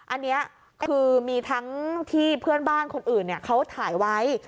อันนี้คือมีทั้งที่เพื่อนบ้านคนอื่นเขาถ่ายไว้